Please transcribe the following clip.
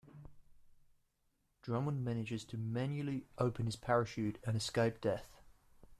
Drummond manages to manually open his parachute and escape death.